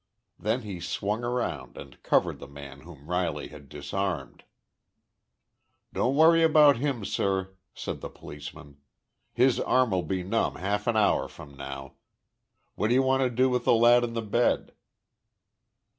Then he swung around and covered the man whom Riley had disarmed. "Don't worry about him, sir," said the policeman. "His arm'll be numb half an hour from now. What do you want to do with th' lad in th' bed?"